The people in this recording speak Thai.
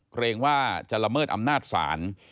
เกรงว่าจะละเมิดอำนาจศาล